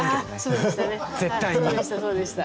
そうでしたそうでした。